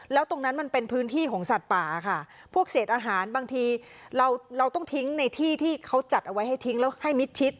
แล้วตรงนั้นมันเป็นพื้นที่ของสัตว์ป่าค่ะพวกเศษอาหารบางทีเราเราต้องทิ้งในที่ที่เขาจัดเอาไว้ให้ทิ้งแล้วให้มิดชิด